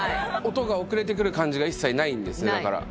音が遅れてくる感じが一切ないんですねだから。